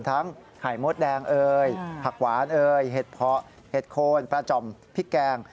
ทั้งไข่มดแดงผักหวานเห็ดเพาะเห็ดโคนปลาจ่อมพริกแกง